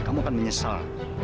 kamu akan menyesal